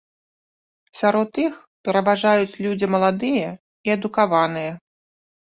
Сярод іх пераважаюць людзі маладыя і адукаваныя.